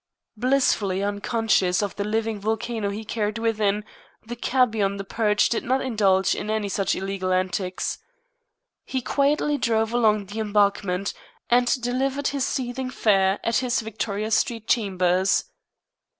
Blissfully unconscious of the living volcano he carried within, the cabby on the perch did not indulge in any such illegal antics. He quietly drove along the Embankment and delivered his seething fare at his Victoria street chambers.